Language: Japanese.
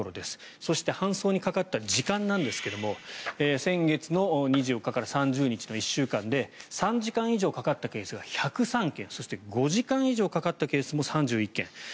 そして搬送にかかった時間なんですが先月の２４日から３０日の１週間で３時間以上かかったケースが１０３件そして５時間以上かかったケースも３１件。